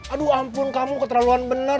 aduh ampun kamu keterlaluan benar